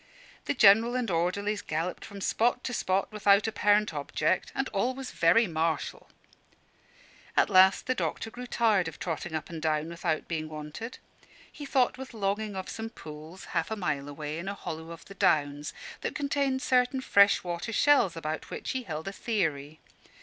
The General and orderlies galloped from spot to spot without apparent object; and all was very martial. At last the doctor grew tired of trotting up and down without being wanted. He thought with longing of some pools, half a mile away, in a hollow of the Downs, that contained certain freshwater shells about which he held a theory.